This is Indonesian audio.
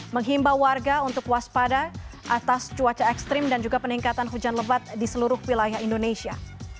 menghimbau warga untuk waspada atas cuaca ekstrim dan juga peningkatan hujan lebat di seluruh wilayah indonesia